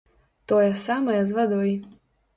Тое самае з вадой.